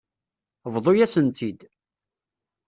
Bḍu-yasen-tt-id.